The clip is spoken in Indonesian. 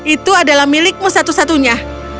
itu adalah milikmu satu satunya